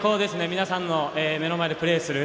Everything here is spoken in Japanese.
皆さんの目の前でプレーする。